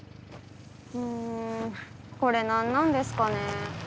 んこれ何なんですかね？